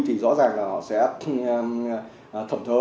thì rõ ràng là họ sẽ thẩm thớ